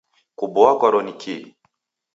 Kuboa kwaro ni kii?